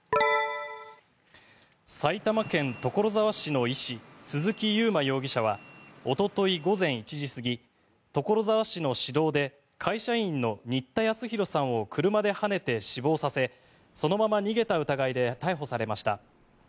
埼玉県所沢市の医師鈴木佑麿容疑者はおととい午前１時過ぎ所沢市の市道で会社員の新田恭弘さんを車ではねて死亡させそのまま逃げた疑いで逮捕されました。